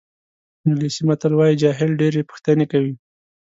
انګلیسي متل وایي جاهل ډېرې پوښتنې کوي.